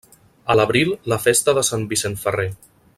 A l'abril la festa de sant Vicent Ferrer.